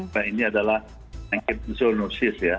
nah ini adalah penyakit zoonosis ya